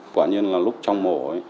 quả nhiên là lúc trong mổ